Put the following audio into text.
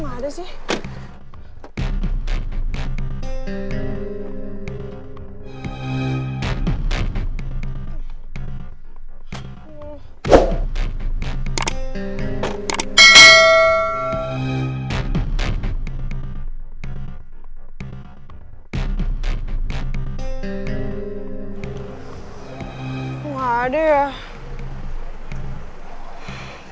masuk kuliah dulu